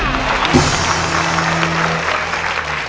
ไม่ใช้ค่ะ